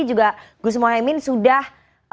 juga gus muhaymin sudah